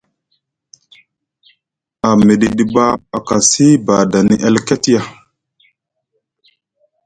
A miɗidi ɓa a kasi badani alket ya.